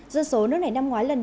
dân số nước này năm ngoái lần đầu